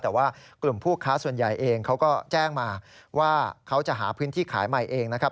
แต่ว่ากลุ่มผู้ค้าส่วนใหญ่เองเขาก็แจ้งมาว่าเขาจะหาพื้นที่ขายใหม่เองนะครับ